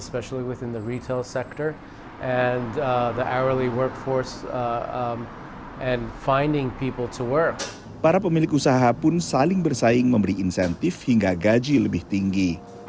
para pemilik usaha pun saling bersaing memberi insentif hingga gaji lebih tinggi